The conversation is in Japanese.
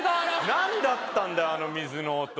何だったんだよあの水の音